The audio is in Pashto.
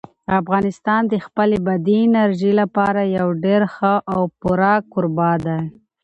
افغانستان د خپلې بادي انرژي لپاره یو ډېر ښه او پوره کوربه دی.